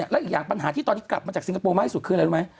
และอีกอย่างปัญหาที่ตอนนี้กลับมาจากสิงคโปร์มากที่สุดคืออะไรรู้ไหม